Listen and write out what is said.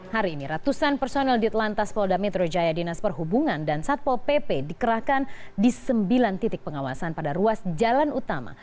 hari ini ratusan personel di telantas polda metro jaya dinas perhubungan dan satpol pp dikerahkan di sembilan titik pengawasan pada ruas jalan utama